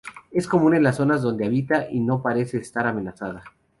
Es común en las zonas donde habita y no parece estar amenazada.